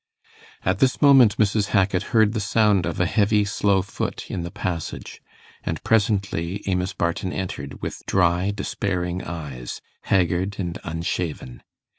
At this moment Mrs. Hackit heard the sound of a heavy, slow foot, in the passage; and presently Amos Barton entered, with dry despairing eyes, haggard and unshaven.